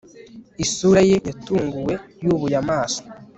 isura ye yatunguwe yubuye amaso